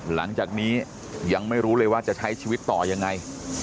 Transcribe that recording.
หลังจากนี้ยังไม่รู้เลยว่าจะใช้ชีวิตต่อยังไง